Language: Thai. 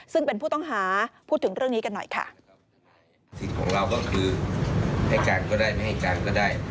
ซึ่งเป็นผู้ต้องหาพูดถึงเรื่องนี้กันหน่อยค่ะ